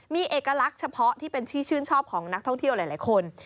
มีเอกลักษณ์เฉพาะที่เป็นที่ชื่นชอบของนักท่องเที่ยวหลายคน